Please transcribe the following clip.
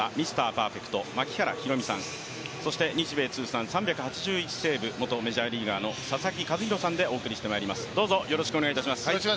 パーフェクト槙原寛己さんそして日米通算３８１セーブ、元メジャーリーガーの佐々木主浩さんでお送りしてまいります。